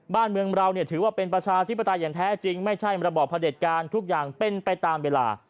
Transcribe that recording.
บ้านเมืองเราถือว่าเป็นประชาธิปไตยอย่างแท้จริงไม่ใช่ระบอบพระเด็จการทุกอย่างเป็นไปตามเวลา